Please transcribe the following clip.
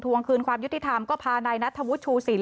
วงคืนความยุติธรรมก็พานายนัทธวุฒิชูสิน